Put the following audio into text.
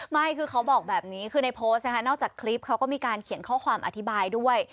ไม่คือเขาบอกแบบนี้คือในโพสต์นะคะนอกจากคลิปเขาก็มีการเขียนข้อความอธิบายด้วย